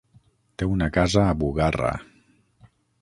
Té una casa a Bugarra.